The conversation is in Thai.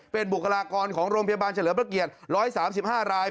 เป็นบุคลากรของโรงพยาบาลเฉลิมพระเกียรติ๑๓๕ราย